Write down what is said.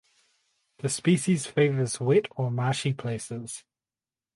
The species favours wet or marshy places.